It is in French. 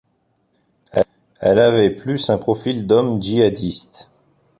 Elle avait plus un profil d’homme djihadiste.